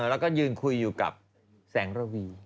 แล้วก็ยืนคุยอยู่กับแสงระวี